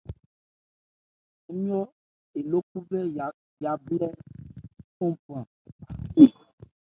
Nmɔyo eló khúbhɛ́ yabhlɛ́ khóó bɛn bha ló nne.